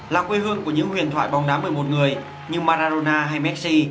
là quê hương của những huyền thoại bóng đá một mươi một người như maraona hay messi